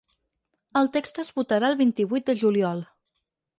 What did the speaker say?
El text es votarà el vint-i-vuit de juliol.